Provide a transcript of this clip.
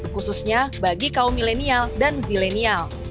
khususnya bagi kaum milenial dan zilenial